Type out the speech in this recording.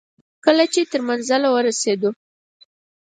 کله چې تر منزل ورسېدو.